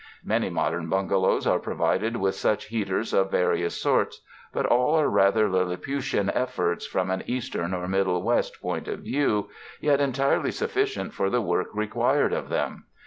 Many modern bungalows are provided with such heaters of vari ous sorts, but all are rather lilliputian affairs from an Eastern or Middle West point of view, yet en tirely sufficient for the work required of them.